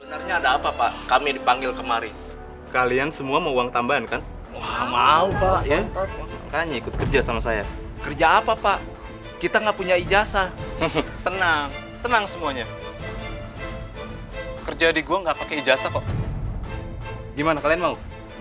aisyah kamu jangan nasihatin aku